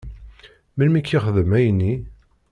Melmi i k-yexdem ayenni?